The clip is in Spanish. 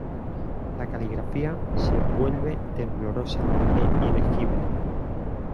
La caligrafía se vuelve temblorosa e ilegible.